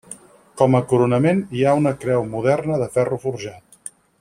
Com a coronament hi ha una creu moderna de ferro forjat.